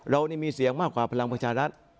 เรานี่มีเสียงมากกว่าพลังประชารัฐ